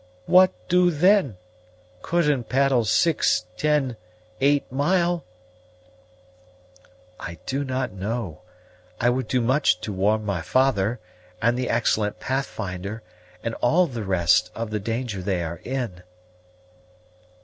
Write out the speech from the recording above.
"What do then? couldn't paddle six ten eight mile!" "I do not know; I would do much to warn my father, and the excellent Pathfinder, and all the rest, of the danger they are in."